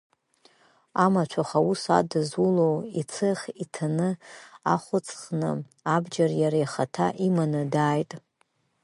Амаҭәахә аус адызуло ицех иҭаны, ахә ыҵхны, абџьар иара ихаҭа иманы дааит.